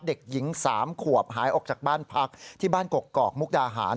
เด็กหญิง๓ขวบหายออกจากบ้านพักที่บ้านกกอกมุกดาหาร